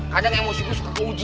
kadang emosi gue suka keuji